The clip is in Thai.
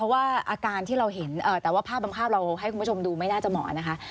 ว่าอาการที่เราเห็นแต่ว่าภาพบางภาพเราให้คุณผู้ชมดูไม่น่าจะเหมาะนะคะ